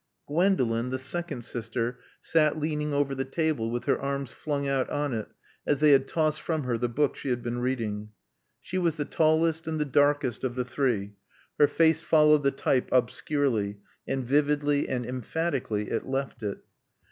Gwendolen, the second sister, sat leaning over the table with her arms flung out on it as they had tossed from her the book she had been reading. She was the tallest and the darkest of the three. Her face followed the type obscurely; and vividly and emphatically it left it.